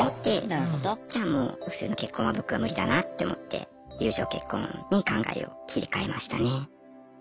じゃあもう普通の結婚は僕は無理だなって思って友情結婚に考えを切り替えましたね。